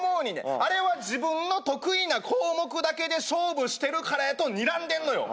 あれは自分の得意な項目だけで勝負してるからやとにらんでんのよ